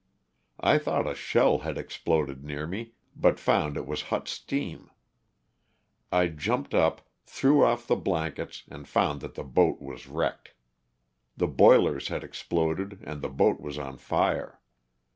I thought a shell had exploded near me, but found it was hot steam. I jumped up, threw off the blankets and found that the boat was wrecked. The boilers had exploded and the boat was on fire.